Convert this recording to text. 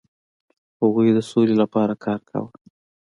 هغوی د سولې لپاره کار کاوه.